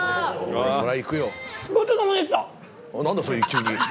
何だそれ急に。